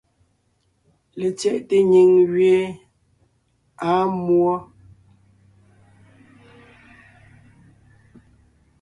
LetsyɛꞋte nyìŋ gẅie àa múɔ.